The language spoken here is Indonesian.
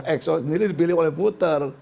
exo sendiri dipilih oleh puter